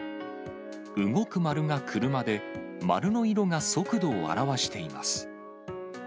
動く丸が車で、丸の色が速度を表しています。